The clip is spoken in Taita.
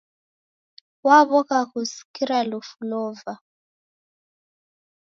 Waw'oka kusikira lufu lova.